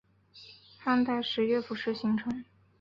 汉代时乐府诗形成。